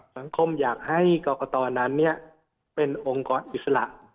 สังคมอยากให้กรกตนั้นเป็นองค์กรอิสระ